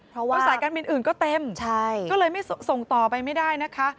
เพราะว่าสายการบินอื่นก็เต็มใช่ก็เลยไม่ส่งต่อไปไม่ได้นะคะ